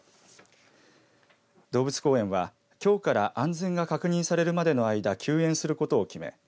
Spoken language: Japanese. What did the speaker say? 動物公園はきょうから安全が確認されるまでの間休園することを決め